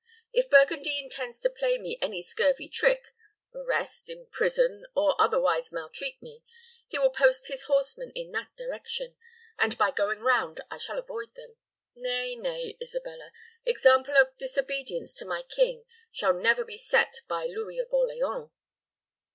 If Burgundy intends to play me any scurvy trick arrest, imprison, or otherwise maltreat me he will post his horsemen in that direction, and by going round I shall avoid them. Nay, nay, Isabella, example of disobedience to my king shall never be set by Louis of Orleans."